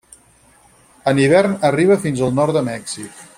En hivern arriba fins al nord de Mèxic.